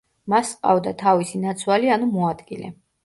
მას ჰყავდა თავისი ნაცვალი ანუ მოადგილე.